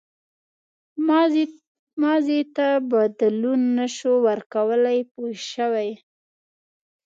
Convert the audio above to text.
ماضي ته بدلون نه شو ورکولای پوه شوې!.